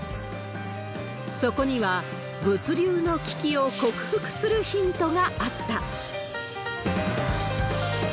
そこには、物流の危機を克服するヒントがあった。